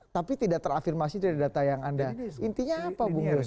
tapi tidak terafirmasi dari data yang anda intinya apa bung dosen